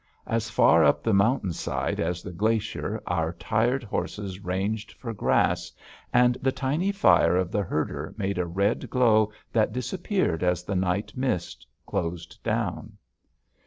As far up the mountain side as the glacier our tired horses ranged for grass, and the tiny fire of the herder made a red glow that disappeared as the night mist closed down.